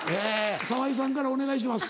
沢井さんからお願いします。